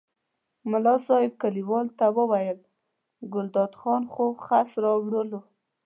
ملا صاحب کلیوالو ته وویل ګلداد خان خو خس راوړل.